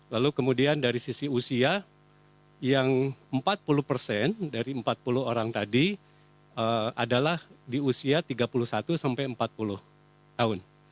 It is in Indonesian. lalu kemudian dari sisi usia yang empat puluh persen dari empat puluh orang tadi adalah di usia tiga puluh satu sampai empat puluh tahun